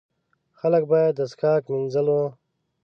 خلک باید د څښاک، مینځلو.